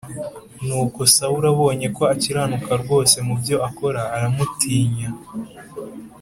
Nuko Sawuli abonye ko akiranuka rwose mu byo akora, aramutinya.